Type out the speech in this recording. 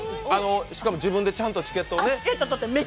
しかも自分でちゃんとチケットゲットしてね。